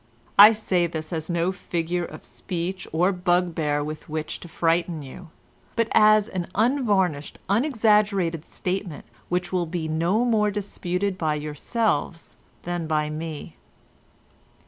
I say this as no figure of speech or bugbear with which to frighten you, but as an unvarnished unexaggerated statement which will be no more disputed by yourselves than by me."